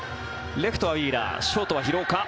レフトはウィーラーショートは廣岡。